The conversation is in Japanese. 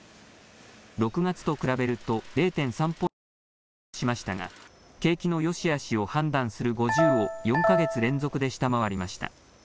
６月と比べると０．３ポイント上昇しましたが景気のよしあしを判断する５０を４か月連続で下回りました。